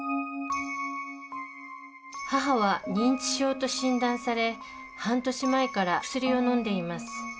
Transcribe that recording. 母は認知症と診断され半年前から薬をのんでいます。